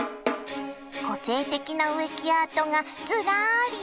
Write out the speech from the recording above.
個性的な植木アートがずらり！